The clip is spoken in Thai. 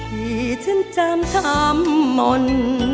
ที่ฉันจำทำหม่น